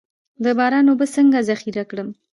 د باران اوبه څنګه ذخیره کړم؟